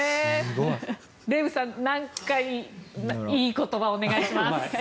デーブさんなんかいい言葉をお願いします。